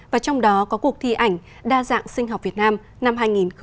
và trong đó có cuộc thi ảnh đa dạng sinh học việt nam năm hai nghìn hai mươi